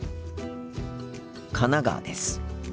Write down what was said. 神奈川です。